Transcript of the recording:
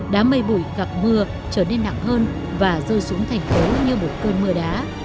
đã mây bụi gặp mưa trở nên nặng hơn và rơi xuống thành phố như một cơn mưa đá